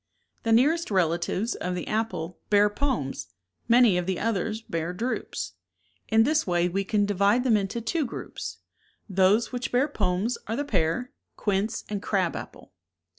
The nearest relatives of the apple bear pomes, many of the others bear drupes. In this way we can divide them into two groups. Those which bear pomes are the pear, quince, and crab apple.